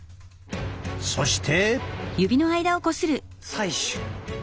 そして。